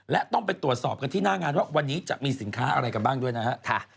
และต้องไปตรวจสอบกันที่หน้างานว่าวันนี้จะมีสินค้าอะไรกันบ้างด้วยนะฮะ